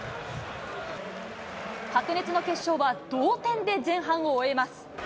白熱の決勝は、同点で前半を終えます。